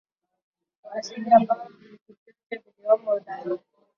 wa asili ambao vitu vyote vilivyomo ndani